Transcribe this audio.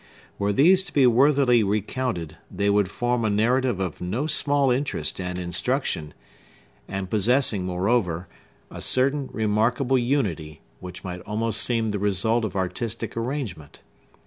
Were these to be worthily recounted, they would form a narrative of no small interest and instruction, and possessing, moreover, a certain remarkable unity, which might almost seem the result of artistic arrangement.